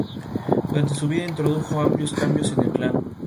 Fue revista en casi todos los teatros Paral·lel.